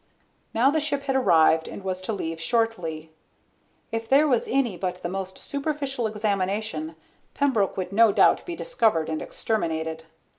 Now the ship had arrived and was to leave shortly. If there was any but the most superficial examination, Pembroke would no doubt be discovered and exterminated.